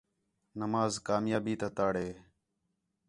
نماز کامیابی تا تَڑ ہے